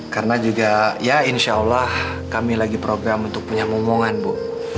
karena juga ya insya allah kami lagi program untuk punya momongan bu